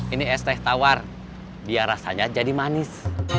ini es teh tawar biar rasanya jadi manis